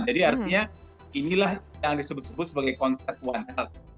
jadi artinya inilah yang disebut sebut sebagai konsep one health